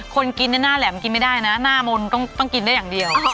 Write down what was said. คนกินหน้าแหลมกินไม่ได้นะหน้ามนต์ต้องกินได้อย่างเดียว